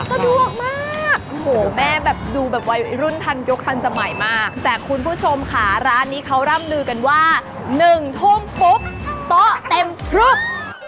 สะดวกมากโอ้โหแม่แบบดูแบบวัยรุ่นทันยกทันสมัยมากแต่คุณผู้ชมค่ะร้านนี้เขาร่ำลือกันว่า๑ทุ่มปุ๊บโต๊ะเต็มพลึบ